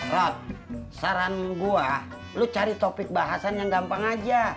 roth saran gue lo cari topik bahasan yang gampang aja